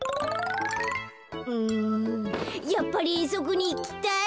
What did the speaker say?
うんやっぱりえんそくにいきたい！